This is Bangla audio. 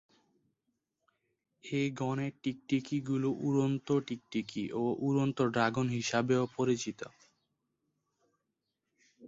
এ গণের টিকটিকি গুলো উড়ন্ত টিকটিকি ও উড়ন্ত ড্রাগন হিসাবেও পরিচিত।